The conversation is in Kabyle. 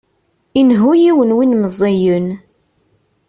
Inehhu yiwen win meẓẓiyen.